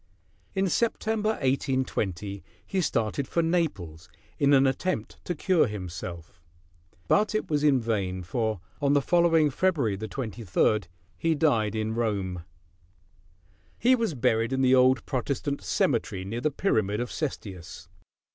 In September, 1820, he started for Naples in an attempt to cure himself; but it was in vain, for on the following February 23 he died in Rome. He was buried in the old Protestant cemetery near the pyramid of Cestius.